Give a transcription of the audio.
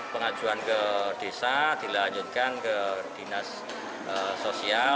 pengajuan ke desa dilanjutkan ke dinas sosial